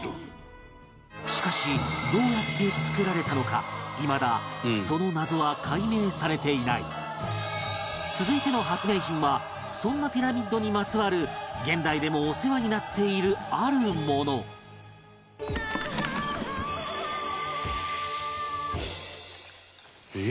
しかしどうやって作られたのかいまだその謎は解明されていない続いての発明品はそんなピラミッドにまつわる現代でもお世話になっているあるもの伊達：えっ？